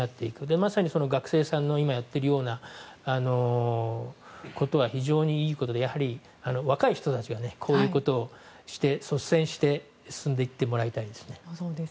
まさに学生さんの今やっているようなことは非常にいいことで若い人たちがこういうことをして率先して進んでいってもらいたいですね。